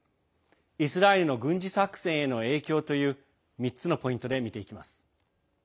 イスラエルの軍事作戦への影響という３つのポイントで見ていきます。